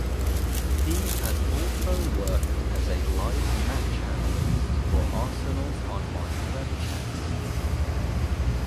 He has also worked as a live match analyst for Arsenal's online webcasts.